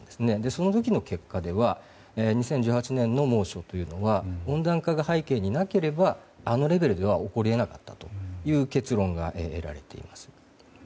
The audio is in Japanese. その時の結果では２０１８年の猛暑というのは温暖化が背景になければあのレベルでは起こりえなかったという結論が得られています。